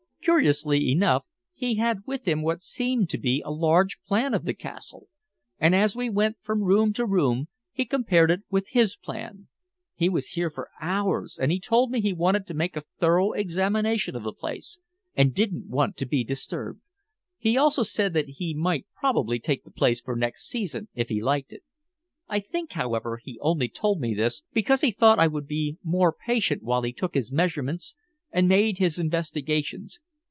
"Curiously enough he had with him what seemed to be a large plan of the castle, and as we went from room to room he compared it with his plan. He was here for hours, and told me he wanted to make a thorough examination of the place and didn't want to be disturbed. He also said that he might probably take the place for next season, if he liked it. I think, however, he only told me this because he thought I would be more patient while he took his measurements and made his investigations.